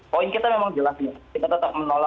poin kita memang jelas ya